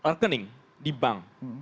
delapan rekening di bank